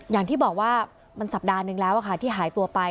อย่างที่บอกว่ามันสัปดาห์นึงแล้วค่ะที่หายตัวไป